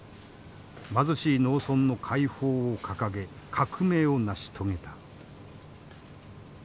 貧しい農村の解放を掲げ革命を成し遂げた。